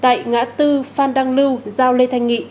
tại ngã tư phan đăng lưu giao lê thanh nghị